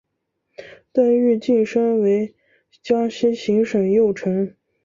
邓愈晋升为江西行省右丞。